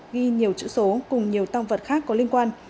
ghi nhiều chữ số cùng nhiều tăng vật khác có liên quan